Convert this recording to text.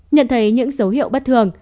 nhận thấy những dấu hiệu bất thường